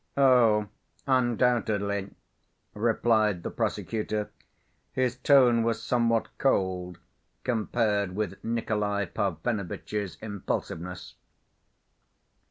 "Oh, undoubtedly," replied the prosecutor. His tone was somewhat cold, compared with Nikolay Parfenovitch's impulsiveness.